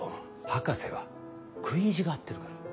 博士は食い意地が張ってるから。